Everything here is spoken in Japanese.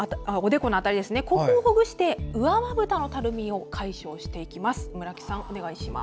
ここをほぐして上まぶたのたるみを解消していきます。